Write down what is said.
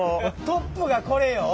トップがこれよ？